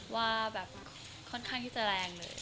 ว่าแบบค่อนข้างที่จะแรงเลย